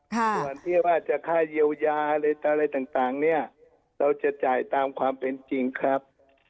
ส่วนที่ว่าจะค่าเยียวยาอะไรต่างเนี่ยเราจะจ่ายตามความเป็นจริงครับ